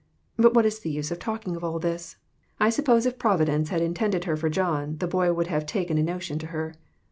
But what is the use of talking all this? I sup pose if Providence had intended her for John, the boy would have taken a notion to her.